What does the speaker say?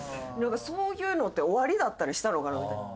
そういうのっておありだったりしたのかなみたいな。